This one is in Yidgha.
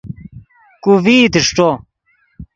کو ڤئیت اݰٹو